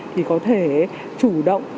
thì có thể chủ động